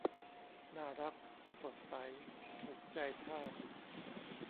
น่ารัก สดใส ถูกใจทาส